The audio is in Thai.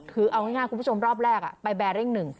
คือเอาง่ายคุณผู้ชมรอบแรกไปแบริ่งหนึ่ง